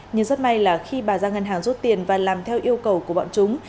nhưng rất may là khi bà ra ngân hàng rút tiền và làm theo yêu cầu của bọn chúng